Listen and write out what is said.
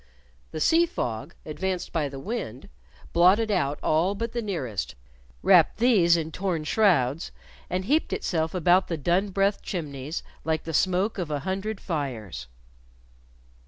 The sea fog, advanced by the wind, blotted out all but the nearest, wrapped these in torn shrouds, and heaped itself about the dun breathed chimneys like the smoke of a hundred fires.